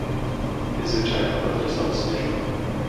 І звичайно потрясав сніжок.